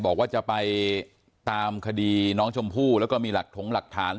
บอกว่าจะไปตามคดีน้องชมพู่แล้วก็มีหลักถงหลักฐาน